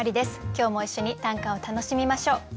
今日も一緒に短歌を楽しみましょう。